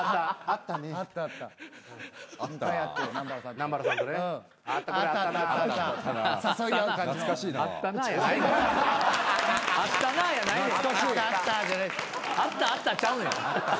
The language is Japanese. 「あったあった」ちゃうねん。